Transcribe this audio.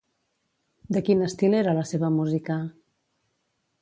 De quin estil era la seva música?